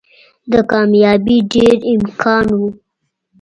د کاميابۍ ډېر امکان وو